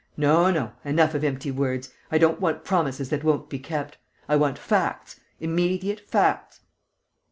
No, no, enough of empty words. I don't want promises that won't be kept: I want facts, immediate facts."